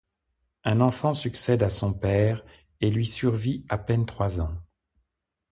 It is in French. Un enfant succède à son père et lui survit à peine trois ans.